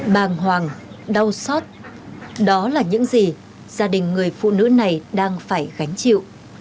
bàng hoàng đau xót đó là những gì gia đình người phụ nữ này đang phải gánh chịu